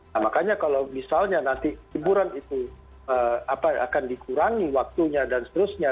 nah makanya kalau misalnya nanti hiburan itu akan dikurangi waktunya dan seterusnya